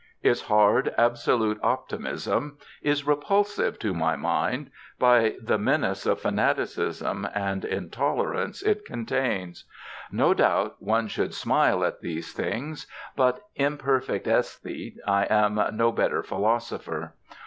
Its hard, absolute optimism is repulsive to my mind by the menace of fanaticism and intolerance it contains. No doubt one should smile at these things; but, imperfect Esthete, I am no better Philosopher.